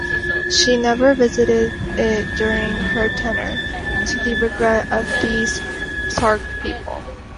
She never visited it during her tenure, "to the regret of the Sark people".